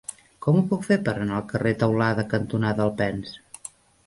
Com ho puc fer per anar al carrer Teulada cantonada Alpens?